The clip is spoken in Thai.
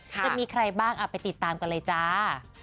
จะมีใครบ้างไปติดตามกันเลยจ้า